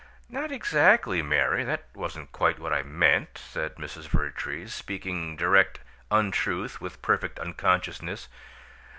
"Not exactly, Mary. That wasn't quite what I meant," said Mrs. Vertrees, speaking direct untruth with perfect unconsciousness.